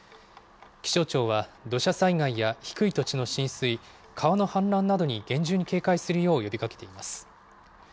気象庁は土砂災害や低い土地の浸水、川の氾濫などに厳重に警戒するよう呼びかけています。